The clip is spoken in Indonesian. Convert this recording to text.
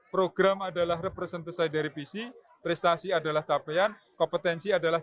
program adalah representasi dari visi prestasi adalah capaian kompetensi adalah